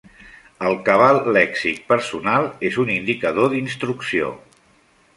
El cabal lèxic personal és un indicador d'instrucció.